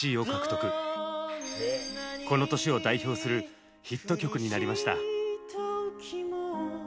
この年を代表するヒット曲になりました。